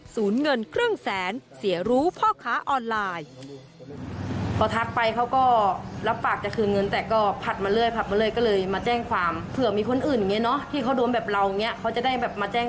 เงินครึ่งแสนเสียรู้พ่อค้าออนไลน์